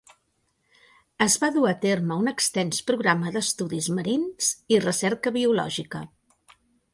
Es va dur a terme un extens programa d'estudis marins i recerca biològica.